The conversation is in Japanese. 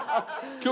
今日。